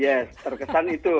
yes terkesan itu